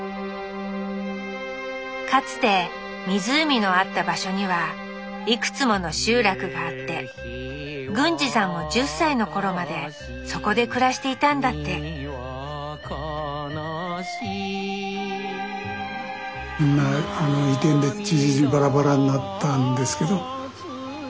かつて湖のあった場所にはいくつもの集落があって軍治さんも１０歳の頃までそこで暮らしていたんだってみんなということですね。